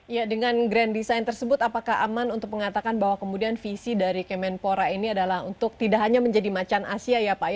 ya dengan grand design tersebut apakah aman untuk mengatakan bahwa kemudian visi dari kemenpora ini adalah untuk tidak hanya menjadi macan asia ya pak